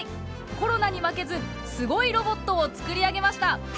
コロナに負けずすごいロボットを作り上げました。